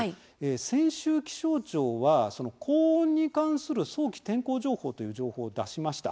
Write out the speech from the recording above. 先週、気象庁は高温に関する早期天候情報という情報を出しました。